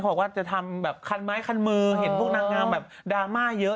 บอกว่าจะทำแบบคันไม้คันมือเห็นพวกนางงามแบบดราม่าเยอะ